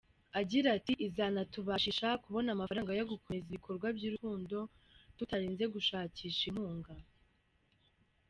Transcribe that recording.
Agira ati “Izanatubashisha kubona amafaranga yo gukomeza ibikorwa by’urukundo, tutarinze gushakisha inkunga.